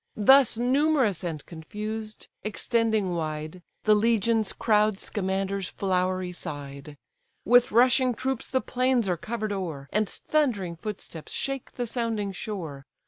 Thus numerous and confused, extending wide, The legions crowd Scamander's flowery side; With rushing troops the plains are cover'd o'er, And thundering footsteps shake the sounding shore.